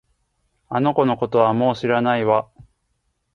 あの子のことはもう知らないわ